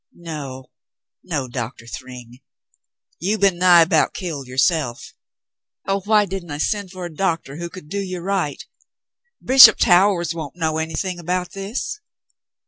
"No, no, Doctor Thryng. You been nigh about killed 3^ourself. Oh, why didn't I send for a doctor who could do you right ! Bishop Towers won't know anything about this."